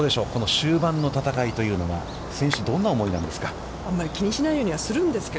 終盤の戦いというのは選手、どんな思いなんですか。